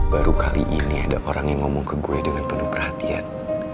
baru kali ini ada orang yang ngomong ke gue dengan penuh perhatian